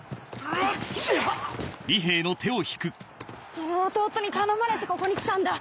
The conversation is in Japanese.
その弟に頼まれてここに来たんだ。